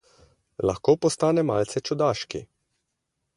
Lahko postane malce čudaški.